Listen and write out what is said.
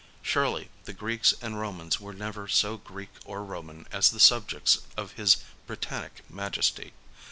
Surely, the Greeks and Romans were never so Greek or Roman as the subjects of His Britanic Majesty.